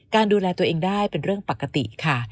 ดูแลตัวเองได้เป็นเรื่องปกติค่ะ